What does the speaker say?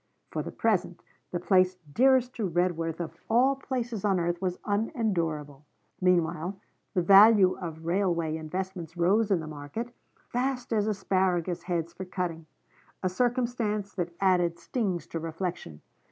For the present the place dearest to Redworth of all places on earth was unendurable. Meanwhile the value of railway investments rose in the market, fast as asparagus heads for cutting: a circumstance that added stings to reflection.